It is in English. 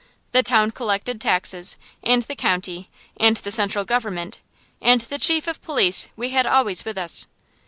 The town collected taxes, and the county, and the central government; and the chief of police we had always with us.